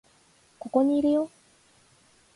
ここにいるよ